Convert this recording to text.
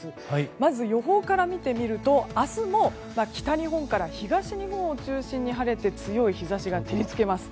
まず予報から見てみると明日も北日本から東日本を中心に晴れて強い日差しが照り付けます。